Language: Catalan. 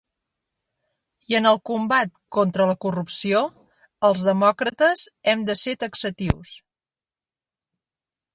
I en el combat contra la corrupció, els demòcrates hem de ser taxatius.